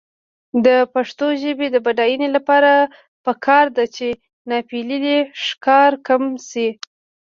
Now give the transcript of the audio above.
د پښتو ژبې د بډاینې لپاره پکار ده چې ناپییلي ښکار کم شي.